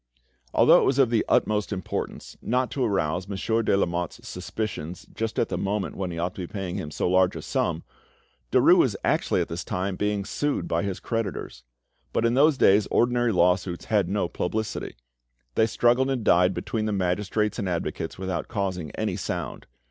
Although it was of the utmost importance not to arouse Monsieur de Lamotte's suspicions just at the moment when he ought to be paying him so large a sum, Derues was actually at this time being sued by his creditors. But in those days ordinary lawsuits had no publicity; they struggled and died between the magistrates and advocates without causing any sound.